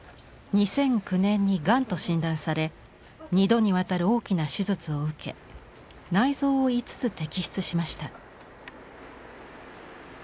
２００９年にがんと診断され２度にわたる大きな手術を受け内臓を５つ摘出しました。